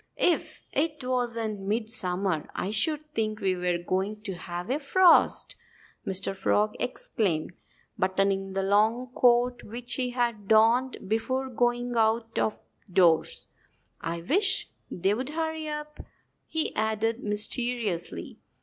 "If it wasn't midsummer I should think we were going to have a frost!" Mr. Frog exclaimed, buttoning the long coat which he had donned before going out of doors. "I wish they'd hurry up!" he added mysteriously.